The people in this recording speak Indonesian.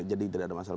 jadi tidak ada masalah